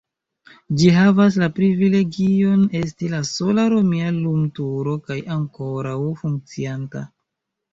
Ĝi havas la privilegion esti la sola romia lumturo kaj ankoraŭ funkcianta.